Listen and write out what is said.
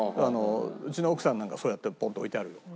うちの奥さんなんかそうやってポンッて置いてあるよ